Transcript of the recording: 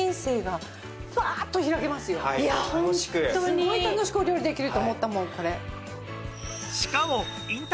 すごい楽しくお料理できると思ったもんこれ。